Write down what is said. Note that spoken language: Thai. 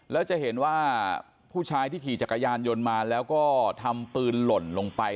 แล้วจะเห็นว่าผู้ชายที่ขี่จักรยานยนต์มาแล้วก็ทำปืนหล่นลงไป